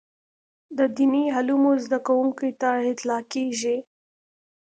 د دیني علومو زده کوونکي ته اطلاقېږي.